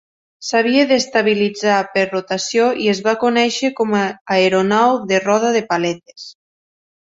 S"havia d"estabilitzar per rotació i es va conèixer com a aeronau de roda de paletes.